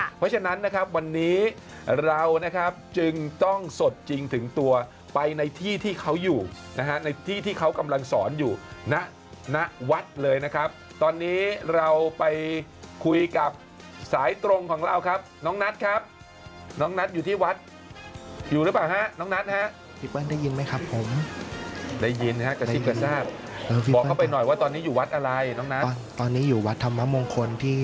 เพราะฉะนั้นนะครับวันนี้เรานะครับจึงต้องสดจริงถึงตัวไปในที่ที่เขาอยู่นะฮะในที่ที่เขากำลังสอนอยู่ณวัดเลยนะครับตอนนี้เราไปคุยกับสายตรงของเราครับน้องนัทครับน้องนัทอยู่ที่วัดอยู่หรือเปล่าฮะน้องนัทฮะพี่เปิ้ลได้ยินไหมครับผมได้ยินฮะกระซิบกระซากบอกเข้าไปหน่อยว่าตอนนี้อยู่วัดอะไรน้องนัทตอนนี้อยู่วัดธรรมมงคลที่